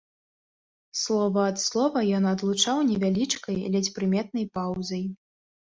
Слова ад слова ён адлучаў невялічкай, ледзь прыметнай паўзай.